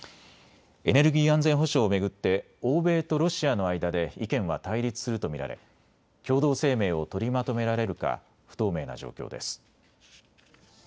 エネルギー安全保障を巡って欧米とロシアの間で意見は対立すると見られ共同声明を取りまとめられるか不透明な状況です。